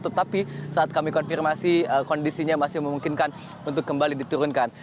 tetapi saat kami konfirmasi kondisinya masih memungkinkan untuk kembali diturunkan